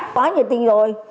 có nhiều bệnh